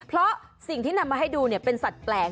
เพราะสิ่งที่นำมาให้ดูเป็นสัตว์แปลก